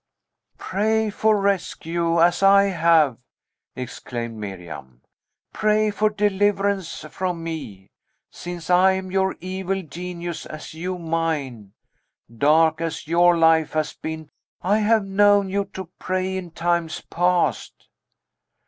"Pray for rescue, as I have," exclaimed Miriam. "Pray for deliverance from me, since I am your evil genius, as you mine. Dark as your life has been, I have known you to pray in times past!"